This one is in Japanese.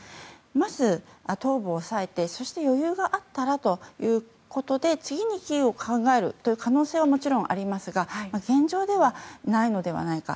まず東部を押さえてそして余裕があったらということで次にキーウを考えるという可能性はもちろんありますが現状では、ないのではないか。